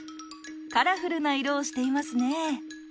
カラフルな色をしていますね。